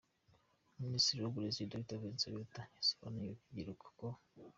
Minisitiri w’Uburezi, Dr Vincent Biruta yasobanuriye uru rubyiruko ko .